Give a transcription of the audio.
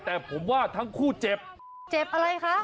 แต่ผมว่าทั้งคู่เจ็บเจ็บอะไรคะ